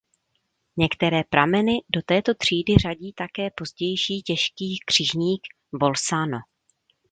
Některé prameny do této třídy řadí také pozdější těžký křižník "Bolzano".